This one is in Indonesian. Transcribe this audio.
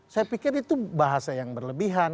saya pikir itu bahasa yang berlebihan